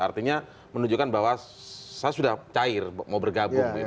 artinya menunjukkan bahwa saya sudah cair mau bergabung